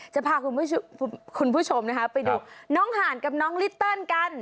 จะพาคุณผู้ชมนะคะไปดูน้องหานกับน้องลิเติ้ลกัน